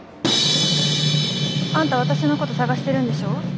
あんた私のこと捜してるんでしょ？